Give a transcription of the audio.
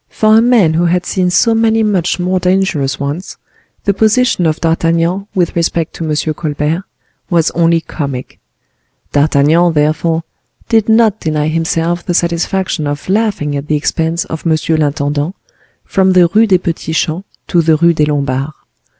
For a man who had seen so many much more dangerous ones, the position of D'Artagnan with respect to M. Colbert was only comic. D'Artagnan, therefore, did not deny himself the satisfaction of laughing at the expense of monsieur l'intendant, from the Rue des Petits Champs to the Rue des Lombards.